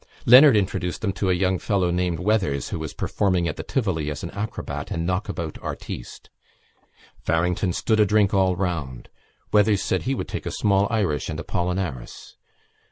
Leonard introduced them to a young fellow named Weathers who was performing at the Tivoli as an acrobat and knockabout artiste. Farrington stood a drink all round. Weathers said he would take a small Irish and Apollinaris.